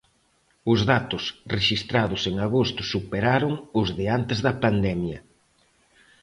Os datos rexistrados en agosto superaron os de antes da pandemia.